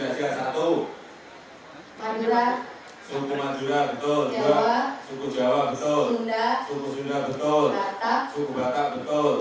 madura suku madura betul jawa suku jawa betul sunda suku sunda betul batak suku batak betul